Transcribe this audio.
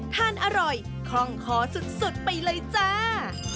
ทานอร่อยคล่องคอสุดไปเลยจ้า